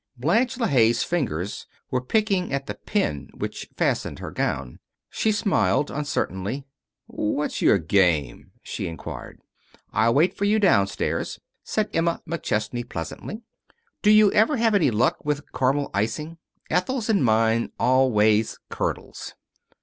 Blanche LeHaye's fingers were picking at the pin which fastened her gown. She smiled, uncertainly. "What's your game?" she inquired. "I'll wait for you downstairs," said Emma McChesney, pleasantly. "Do you ever have any luck with caramel icing? Ethel's and mine always curdles."